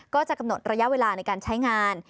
ก็จะกำหนดระยะเวลาในการใช้งาน